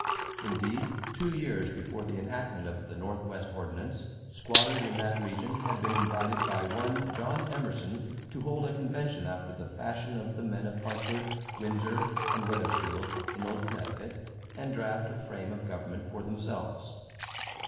Indeed, two years before the enactment of the Northwest Ordinance, squatters in that region had been invited by one John Emerson to hold a convention after the fashion of the men of Hartford, Windsor, and Wethersfield in old Connecticut and draft a frame of government for themselves.